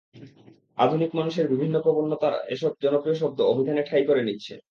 আধুনিক মানুষের বিভিন্ন প্রবণতার এসব জনপ্রিয় শব্দ অভিধানে ঠাঁই করে নিচ্ছে।